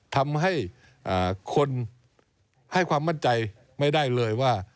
ทำให้คนให้ความมั่นใจไม่ได้เลยว่า